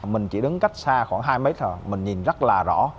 mình chỉ đứng cách xa khoảng hai mét thôi mình nhìn rất là rõ